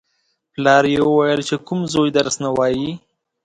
پلار یې ویل: چې کوم زوی درس نه وايي.